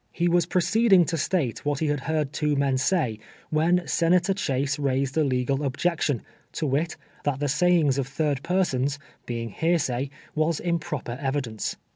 lie was proceeding to state what he had lieard two men say, when Senator Chase raised a legal ob jection, to wit, that the sayings of third persons, be ing hearsay, was improper evidence.